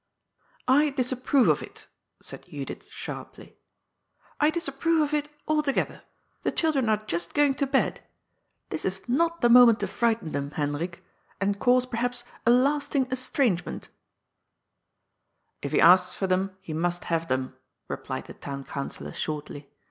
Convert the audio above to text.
" I disapprove of it," said Judith sharply —" I disapprove of it altogether. ' The children are just going to bed. This 68 GOD'S FOOL. is not the moment to frighten them, Hendrik, and cause, perhaps, a lasting estrangement" '^ If he asks for them, he must haye them," replied the Town Councillor shortly.